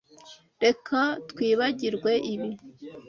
Reka twibagirwe ibi.